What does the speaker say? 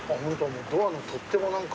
ドアの取っ手も何か。